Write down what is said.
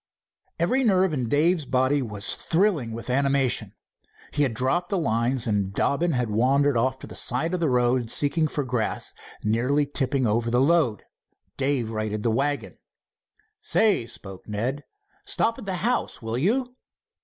Every nerve in Dave's body was thrilling with animation. He had dropped the lines, and Dobbin had wandered to the side of the road seeking for grass, nearly tipping over the load. Dave righted the wagon. "Say," spoke Ned, "stop at the house, will you?"